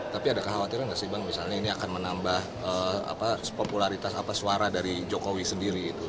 tapi ada kekhawatiran nggak sih bang misalnya ini akan menambah popularitas apa suara dari jokowi sendiri itu